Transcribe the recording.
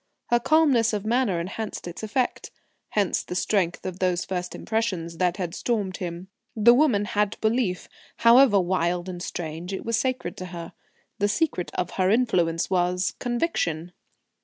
Her calmness of manner enhanced its effect. Hence the strength of those first impressions that had stormed him. The woman had belief; however wild and strange, it was sacred to her. The secret of her influence was conviction.